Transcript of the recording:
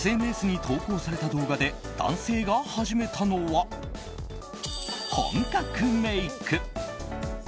ＳＮＳに投稿された動画で男性が始めたのは、本格メイク。